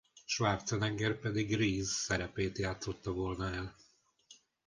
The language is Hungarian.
Schwarzenegger pedig Reese szerepét játszotta volna el.